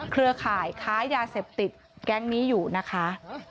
เครือข่ายค้ายาเสพติดแก๊งนี้อยู่นะคะ